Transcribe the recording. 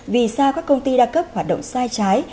vì sao các công ty đa cấp hoạt động sai trái